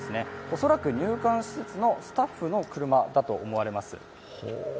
恐らく入管施設のスタッフの車だと思われます。